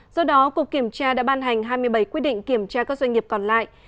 do đó cục kiểm tra đã ban hành hai mươi bảy quyết định kiểm tra các doanh nghiệp còn lại